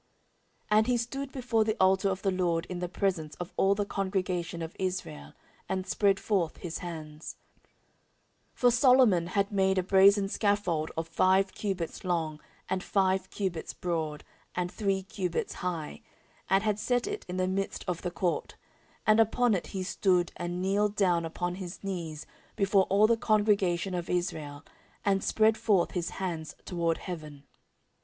14:006:012 And he stood before the altar of the LORD in the presence of all the congregation of Israel, and spread forth his hands: 14:006:013 For Solomon had made a brasen scaffold of five cubits long, and five cubits broad, and three cubits high, and had set it in the midst of the court: and upon it he stood, and kneeled down upon his knees before all the congregation of Israel, and spread forth his hands toward heaven.